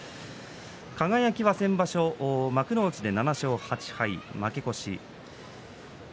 輝は先場所幕内で７勝８敗負け越しました。